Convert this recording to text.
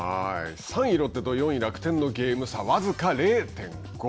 ３位ロッテと４位楽天のゲーム差は僅か０．５。